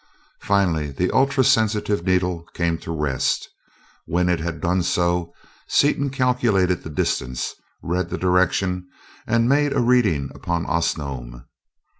Finally the ultra sensitive needle came to rest. When it had done so, Seaton calculated the distance, read the direction, and made a reading upon Osnome.